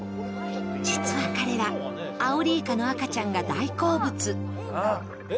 実は彼ら、アオリイカの赤ちゃんが大好物。